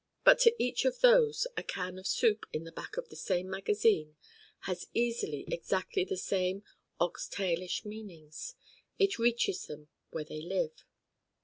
But to each of those a Can of Soup in the Back of the same magazine has easily, exactly the same ox tail ish meanings: it reaches them where they live.